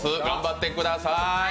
頑張ってください。